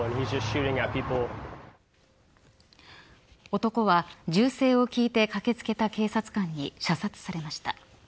男は銃声を聞いて駆け付けた警察官に射殺されました。